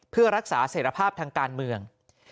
เพื่อรักษาเสร็จภาพทางการเมือง